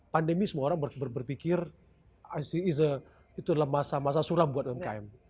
pandemi semua orang berpikir itu adalah masa masa suram buat umkm